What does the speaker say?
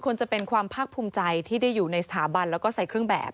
จะเป็นความภาคภูมิใจที่ได้อยู่ในสถาบันแล้วก็ใส่เครื่องแบบ